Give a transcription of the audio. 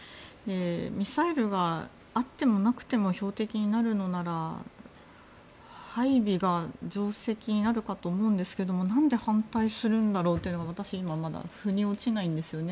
ミサイルがあってもなくても標的になるのなら配備が定石になるかと思うんですけどなんで反対するんだろうというのが私はまだ腑に落ちないんですよね